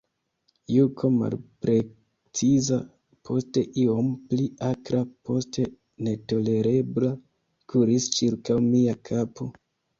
Juko malpreciza, poste iom pli akra, poste netolerebla, kuris ĉirkaŭ mia kapo.